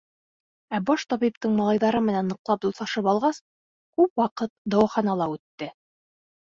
Ә баш табиптың малайҙары менән ныҡлап дуҫлашып алғас, күп ваҡыт дауаханала үтте.